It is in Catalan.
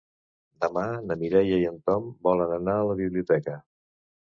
Demà na Mireia i en Tom volen anar a la biblioteca.